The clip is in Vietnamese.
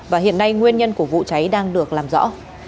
và hiện nay nguyên nhân của vụ cháy đang được làm rõ